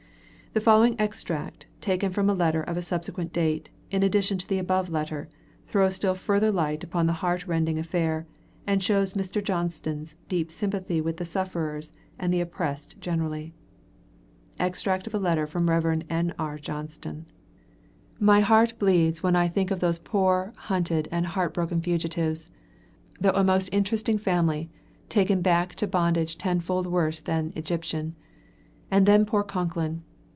The following extract, taken from a letter of a subsequent date, in addition to the above letter, throws still further light upon the heart rending affair, and shows Mr. Johnston's deep sympathy with the sufferers and the oppressed generally EXTRACT OF A LETTER FROM REV. N.R. JOHNSTON. My heart bleeds when I think of those poor, hunted and heart broken fugitives, though a most interesting family, taken back to bondage ten fold worse than Egyptian. And then poor Concklin!